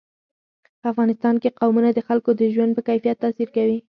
په افغانستان کې قومونه د خلکو د ژوند په کیفیت تاثیر کوي.